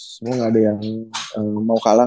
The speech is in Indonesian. semoga gaada yang mau kalah